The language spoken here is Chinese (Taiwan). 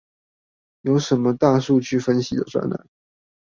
有什麼大數據分析的專案？